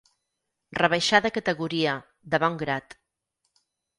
Rebaixar de categoria, de bon grat.